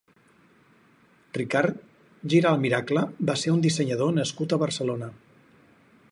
Ricard Giralt Miracle va ser un dissenyador nascut a Barcelona.